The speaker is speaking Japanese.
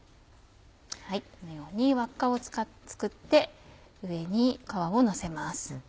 このように輪っかを作って上に皮をのせます。